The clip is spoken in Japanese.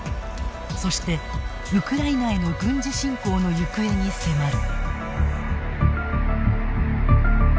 そしてウクライナへの軍事侵攻の行方に迫る。